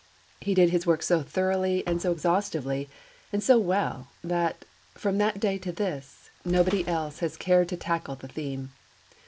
He did his work so thoroughly and so exhaustively and so well that, from that day to this, nobody else has cared to tackle the theme.